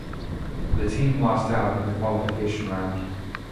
The team lost out in the qualification round.